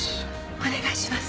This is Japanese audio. お願いします。